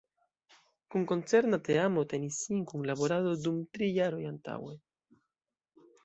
Kun koncerna teamo tenis sin kunlaborado dum tri jaroj antaŭe.